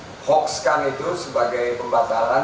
di hoaxkan itu sebagai pembatalan